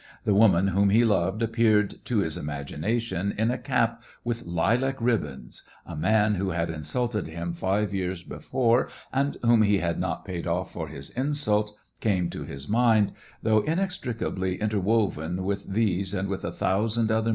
The woman whom he loved appeared to his imagination in a cap with lilac ribbons, a man who had insulted him five years before, and whom he had not paid off for his insult, came to his mind, though inextricably interwoven with these and with a thousand other SEVASTOPOL IN MAY.